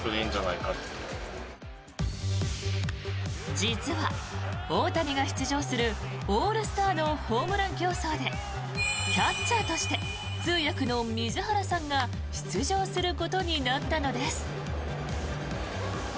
実は大谷が出場するオールスターのホームラン競争でキャッチャーとして通訳の水原さんが出場することになったのです。